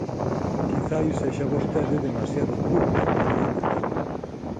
Quizais sexa vostede demasiado culta para elas.